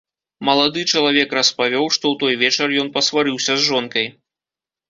Малады чалавек распавёў, што ў той вечар ён пасварыўся з жонкай.